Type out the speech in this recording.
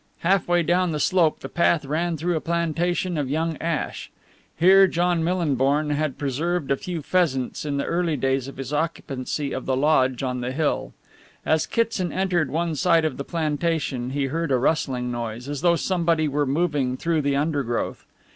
Half way down the slope the path ran through a plantation of young ash. Here John Millinborn had preserved a few pheasants in the early days of his occupancy of the Lodge on the hill. As Kitson entered one side of the plantation he heard a rustling noise, as though somebody were moving through the undergrowth.